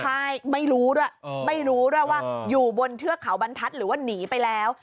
ใช่ไม่รู้ด้วยไม่รู้ด้วยว่าอยู่บนเทือกเขาบรรทัศน์หรือว่าหนีไปแล้ว